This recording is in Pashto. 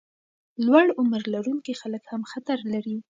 لوړ عمر لرونکي خلک هم خطر لري.